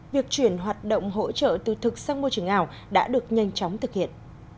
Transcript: việc chuyển hoạt động hỗ trợ từ thực sang môi trường ảo đã được nhanh chóng thực hiện